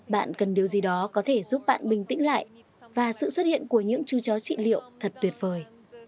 bạn cần điều gì đó có thể giúp bạn bình tĩnh lại và sự xuất hiện của những chú chó trị liệu thật tuyệt vời